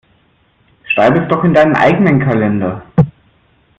Schreib es doch in deinen eigenen Kalender.